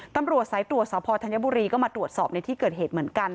ตำรวจสายตรวจสอบพอธัญบุรีก็มาตรวจสอบในที่เกิดเหตุเหมือนกัน